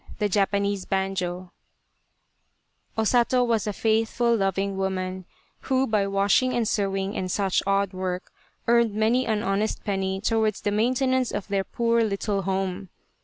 'i O Sato was a faithful loving woman, who by washing and sewing, and such odd work, earned many an honest penny towards the maintenance of their poor little home.